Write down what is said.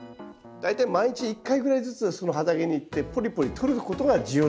大体毎日１回ぐらいずつその畑に行ってポリポリ取ることが重要だと思います。